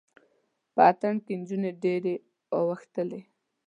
په اتڼ کې جونې ډیرې اوښتلې